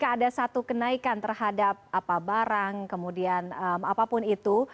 ada satu kenaikan terhadap barang kemudian apapun itu